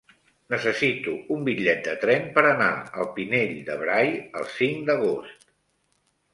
Necessito un bitllet de tren per anar al Pinell de Brai el cinc d'agost.